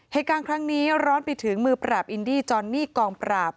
เหตุการณ์ครั้งนี้ร้อนไปถึงมือปราบอินดี้จอนนี่กองปราบ